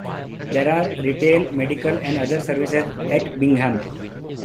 There are retail, medical and other services at Bingham.